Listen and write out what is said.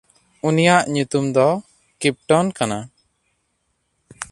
ᱩᱱᱤᱭᱟᱜ ᱧᱩᱛᱩᱢ ᱫᱚ ᱠᱤᱯᱴᱚᱱ ᱠᱟᱱᱟ᱾